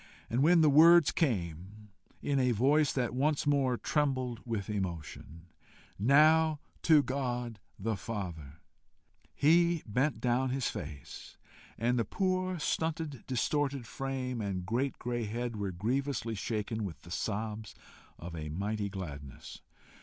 And when the words came, in a voice that once more trembled with emotion "Now to God the Father," he bent down his face, and the poor, stunted, distorted frame and great grey head were grievously shaken with the sobs of a mighty gladness.